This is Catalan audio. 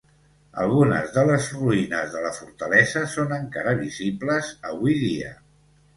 Algunes de les ruïnes de la fortalesa són encara visibles avui dia.